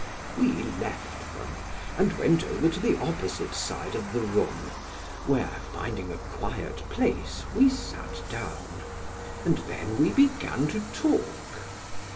We left them, and went over to the opposite side of the room, where, finding a quiet place, we sat down; and then we began to talk.